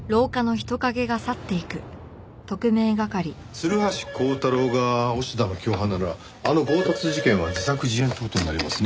鶴橋光太郎が押田の共犯ならあの強奪事件は自作自演って事になりますね。